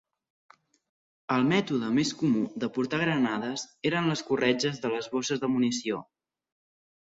El mètode més comú de portar granades eren les corretges a les bosses de munició.